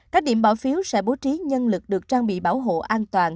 các điểm bỏ phiếu sẽ bố trí nhân lực được trang bị bảo hộ an toàn